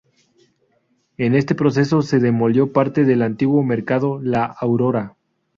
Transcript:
En este proceso se demolió parte del antiguo Mercado La Aurora.